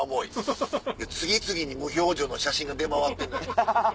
次々に無表情の写真が出回ってんのよ